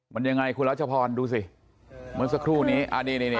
มันยังไงคุณรัชพรดูสิเหมือนสักครู่นี้อ่านี่นี่นี่